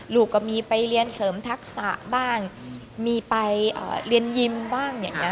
ลูกก็มีไปเรียนเสริมทักษะบ้างมีไปเรียนยิมบ้างอย่างนี้